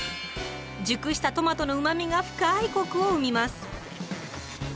熟したトマトのうまみが深いコクを生みます。